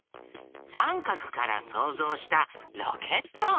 さんかくからそうぞうしたロケット。